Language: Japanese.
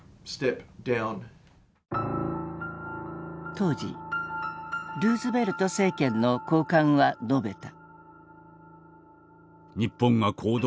当時ルーズベルト政権の高官は述べた。